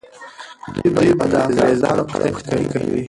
دوی به د انګریزانو په اړه پوښتنه کوي.